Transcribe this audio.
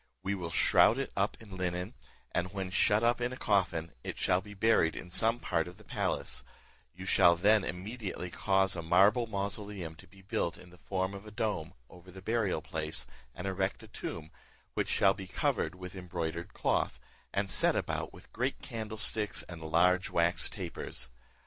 We will shroud it up in linen, and when shut up in a coffin, it shall be buried in some part of the palace; you shall then immediately cause a marble mausoleum to be built, in the form of a dome, over the burial place, and erect a tomb, which shall be covered with embroidered cloth, and set about with great candlesticks and large wax tapers.